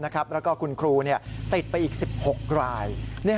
แล้วก็คุณครูติดไปอีก๑๖ราย